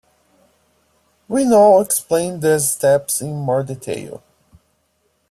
We now explain these steps in more detail.